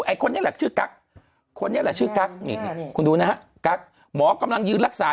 ไอคนนี้แหละชื่อกั๊กคนนี้แหละชื่อกั๊กนี่คุณดูนะฮะกั๊กหมอกำลังยืนรักษา